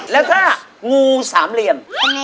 แล้วก็งูสามเหลี่ยม